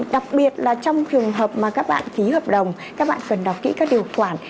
đặc biệt là trong trường hợp mà các bạn ký hợp đồng các bạn cần đọc kỹ các điều khoản